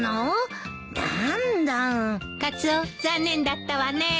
カツオ残念だったわねえ。